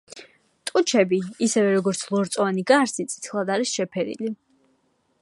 ტუჩები, ისევე, როგორც ლორწოვანი გარსი წითლად არის შეფერილი.